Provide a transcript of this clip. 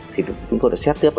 thì chúng tôi đã xét tiếp